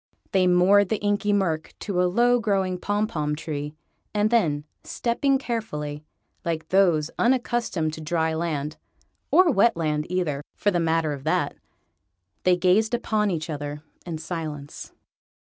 They moored the Inky Murk to a low growing pom pom tree, and then, stepping carefully, like those unaccustomed to dry land (or wet land either, for the matter of that), they gazed upon each other in silence.